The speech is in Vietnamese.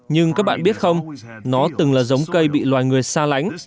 nhưng các bạn biết không nó từng là giống cây bị loài người xa lánh